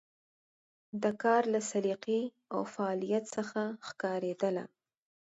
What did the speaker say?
د کار له سلیقې او فعالیت څخه ښکارېدله.